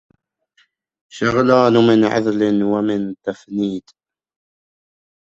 شغلان من عذل ومن تفنيد